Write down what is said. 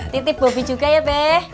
titip bobi juga ya teh